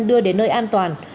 đưa đến nơi an toàn